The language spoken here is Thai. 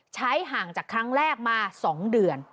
ห่างจากครั้งแรกมา๒เดือน